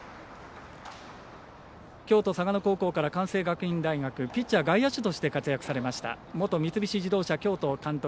京都、嵯峨野高校から関西学院大学ピッチャー、外野手として活躍されました元三菱自動車京都監督